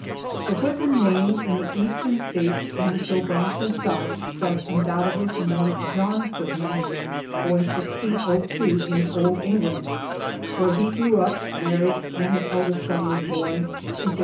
The Whitman name in the Eastern States, and so branch and South, starts undoubtedly from one John Whitman, born 1602, in Old England, where he grew up, married, and his eldest son was born in 1629.